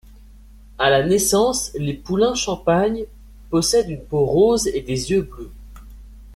À la naissance, les poulains champagne possèdent une peau rose et des yeux bleus.